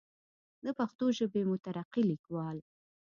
دَ پښتو ژبې مترقي ليکوال